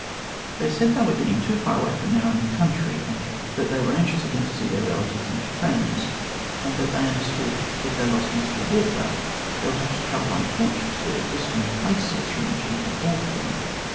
They said they were getting too far away from their own country, and that they were anxious again to see their relatives and friends, and that they understood, if they lost Mr Walker, they would have to travel on foot to the distant places from which he had brought them.